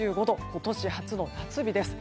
今年初の夏日です。